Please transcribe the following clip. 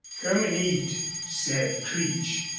"Come an' eat," said Creech.